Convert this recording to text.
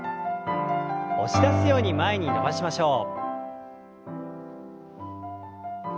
押し出すように前に伸ばしましょう。